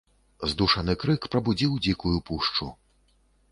Здушаны крык прабудзіў дзікую пушчу.